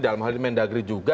dalam hal ini mendagri juga